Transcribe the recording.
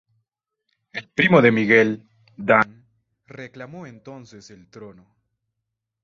El primo de Miguel, Dan, reclamó entonces el trono.